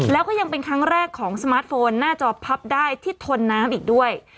แล้วก็ยังเป็นครั้งแรกของสมาร์ทโฟนหน้าจอพับได้ที่ทนน้ำอีกด้วย